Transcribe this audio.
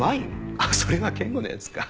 あっそれは健吾のやつか。